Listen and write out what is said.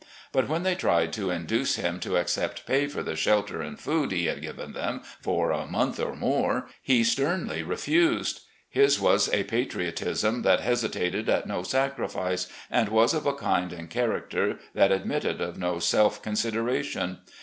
But when they tried to induce him to accept pay for the shelter and food he had given them for a month or more, he sternly refused. His was a patriotism that hesitated at no sacrifice, and was of a kind and character that admitted of no self consideration.